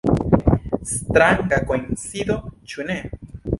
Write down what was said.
Stranga koincido, ĉu ne?